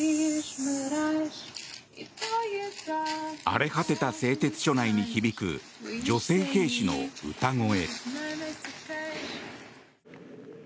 荒れ果てた製鉄所内に響く女性兵士の歌声。